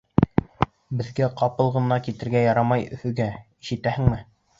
Беҙгә ҡапыл ғына китергә ярамай Өфөгә, ишетәһеңме?